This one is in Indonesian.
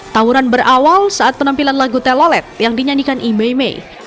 tawuran berawal saat penampilan lagu telolet yang dinyanyikan imeime